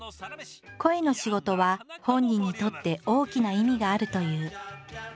声の仕事は本人にとって大きな意味があるという。